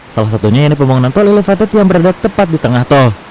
salah satunya ini pembangunan tol elevated yang berada tepat di tengah tol